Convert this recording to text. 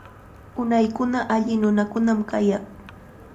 Unaykunaqa alli nunakunam kayaq.